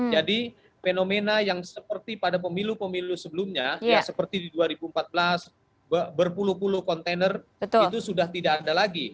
jadi fenomena yang seperti pada pemilu pemilu sebelumnya seperti di dua ribu empat belas berpuluh puluh kontainer itu sudah tidak ada lagi